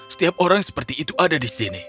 setiap orang seperti itu ada di sini